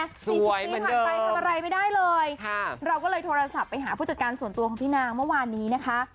สี่สิบปีผ่านไปทำอะไรไม่ได้เลยค่ะเราก็เลยโทรศัพท์ไปหาผู้จัดการส่วนตัวของพี่นางเมื่อวานนี้นะคะ